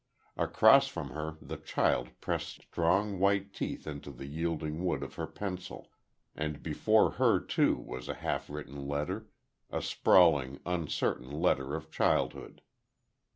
Across from her the child pressed strong white teeth into the yielding wood of her pencil; and before her, too, was a half written letter a sprawling, uncertain letter of childhood.